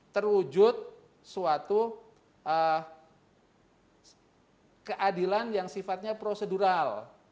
terwujud suatu keadilan yang sifatnya prosedural